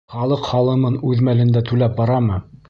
Халыҡ һалымын үҙ мәлендә түләп барамы?